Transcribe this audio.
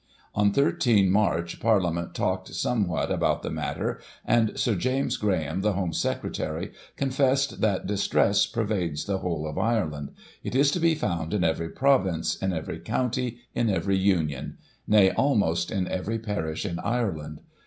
On 1 3 March, Parliament talked somewhat about the matter, and Sir James Graham, the Home Secretary, confessed that distress " pervades the whole of Ireland. It is to be found in every province, in every county, in every union; nay, almost in every parish in Ireland.